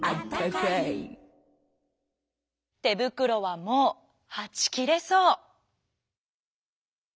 てぶくろはもうはちきれそう！